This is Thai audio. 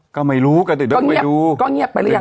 ก็ไม่รู้ก็ตื่นเต๊ะไปดูก็เงียบก็เงียบไปหรือยัง